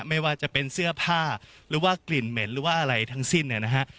ไม่ว่าจะเป็นเสื้อผ้าหรือว่ากลิ่นเหม็นหรือว่าอะไรทั้งสิ้นเนี่ยนะฮะ